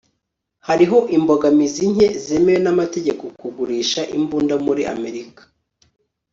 hariho imbogamizi nke zemewe n'amategeko kugurisha imbunda muri amerika